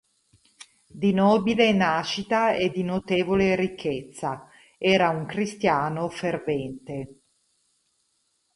Di nobile nascita e di notevole ricchezza, era un cristiano fervente.